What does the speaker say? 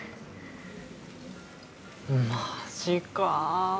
マジか。